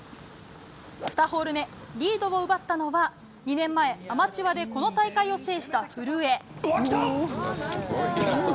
２ホール目リードを奪ったのは２年前、アマチュアでこの大会を制した古江。